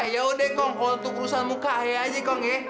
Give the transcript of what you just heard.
yaudah kong untuk urusan muka aja ya kong ya